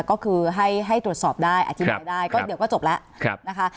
ก็คือให้ตรวจสอบได้อธิบายได้ก็เดี๋ยวก็จบแล้วนะคะ